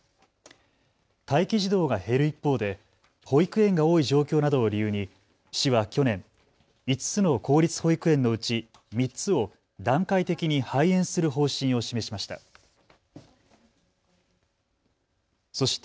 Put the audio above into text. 待機児童が減る一方で保育園が多い状況などを理由に市は去年、５つの公立保育園のうち３つを段階的に廃園する方針を示しました。